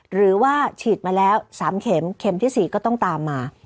หรือว่าฉีดมาแล้ว๓เข็มเข็มที่๔ก็ต้องตามมา